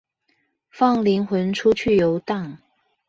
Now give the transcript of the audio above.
放靈魂出去遊蕩